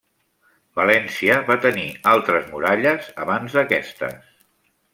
València va tenir altres muralles abans d'aquestes.